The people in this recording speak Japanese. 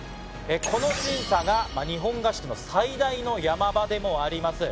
この審査が日本合宿の最大の山場でもあります。